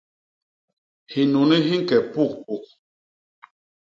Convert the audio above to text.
Hinuni hi ñke pugpuk.